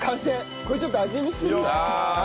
これちょっと味見してみない？